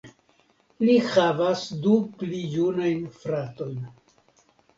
Li havas du pli junajn fratojn.